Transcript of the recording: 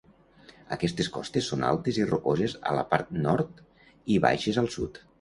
Aquestes costes són altes i rocoses a la part nord i baixes al sud.